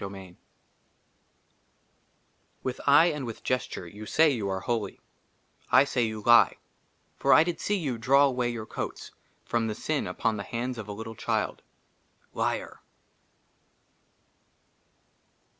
62 I Lvn with eye and with gesture you say you are holy, i say you lie ; for i did see you draw away your coats from the sin upon the hands of a little child, liar!